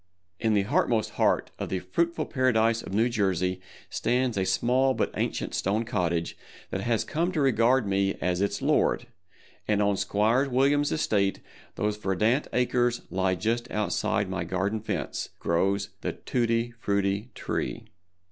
In the heartmost heart of the fruitful Paradise of New Jersey stands a small but ancient stone cottage that has come to regard me as its lord, and on Squire Williams' estate, whose verdant acres lie just outside my garden fence, grows the Tutti Frutti Tree.